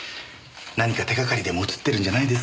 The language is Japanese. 何か手がかりでも写ってるんじゃないですか？